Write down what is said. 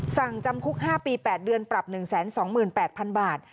สั่งจำคุก๕ปี๘เดือนปรับ๑๒๘๐๐๐บาท